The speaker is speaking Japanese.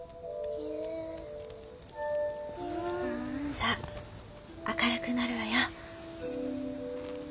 さあ明るくなるわよ。